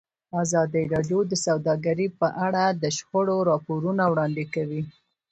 ازادي راډیو د سوداګري په اړه د شخړو راپورونه وړاندې کړي.